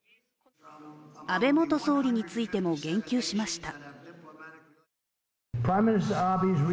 安倍元総理についても言及しました。